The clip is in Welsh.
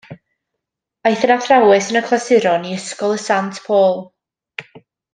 Aeth yn athrawes yn y clasuron i Ysgol y Sant Paul.